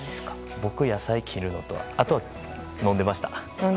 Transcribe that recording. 僕は野菜切るのとあとは、飲んでいました。